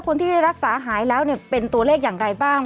คนที่รักษาหายแล้วเป็นตัวเลขอย่างไรบ้าง